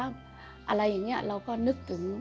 อะไรอย่างนี้เราก็นึกถึง